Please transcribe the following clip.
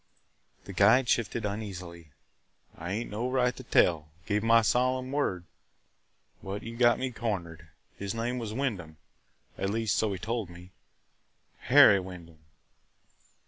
The guide shifted uneasily. "I ain't no right to tell – gave my solemn word – but you got me cornered. His name was Wyndham; at least, so he told me – Harry Wyndham."